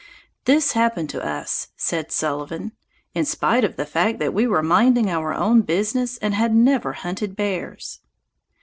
"This happened to us," said Sullivan, "in spite of the fact that we were minding our own business and had never hunted bears."